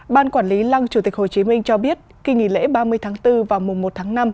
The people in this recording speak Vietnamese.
ban quản lý lăng chủ tịch hồ chí minh cho biết kỳ nghỉ lễ ba mươi tháng bốn và mùa một tháng năm